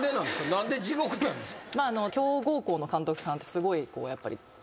何で地獄なんですか？